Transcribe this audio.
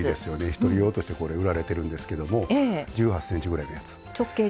１人用として売られてるんですけど１８ｃｍぐらいのやつ。